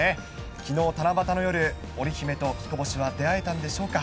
きのう七夕の夜、織姫と彦星は出会えたんでしょうか。